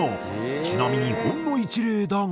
ちなみにほんの一例だが。